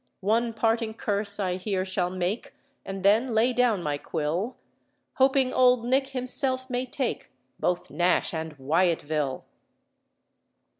One parting curse I here shall make, And then lay down my quill, Hoping Old Nick himself may take Both Nash and Wyatville."